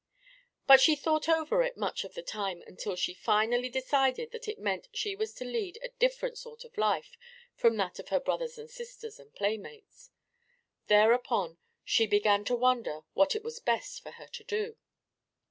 But she thought over it much of the time until she finally decided that it meant she was to lead a different sort of life from that of her brothers and sisters and playmates. Thereupon she began to wonder what it was best for her to do.